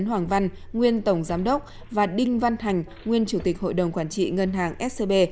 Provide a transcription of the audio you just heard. hoàng văn nguyên tổng giám đốc và đinh văn thành nguyên chủ tịch hội đồng quản trị ngân hàng scb